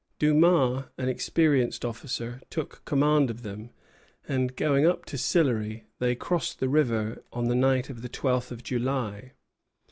Dumas, an experienced officer, took command of them; and, going up to Sillery, they crossed the river on the night of the twelfth of July.